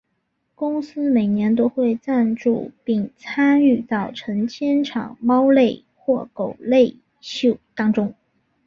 公司每年都会赞助并参与到成千场猫类或狗类秀当中。